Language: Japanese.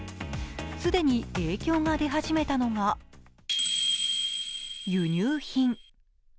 既に影響が出始めたのが輸入品。